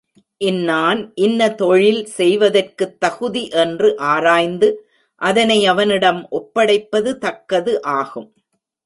இன்னான் இன்ன தொழில் செய்வதற்குத் தகுதி என்று ஆராய்ந்து அதனை அவனிடம் ஒப்படைப்பது தக்கது ஆகும்.